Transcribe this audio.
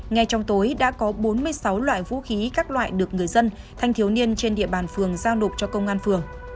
ngay trong tối đã có bốn mươi sáu loại vũ khí các loại được người dân thanh thiếu niên trên địa bàn phường giao nộp cho công an phường